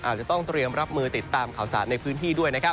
อาจจะต้องเตรียมรับมือติดตามข่าวสารในพื้นที่ด้วยนะครับ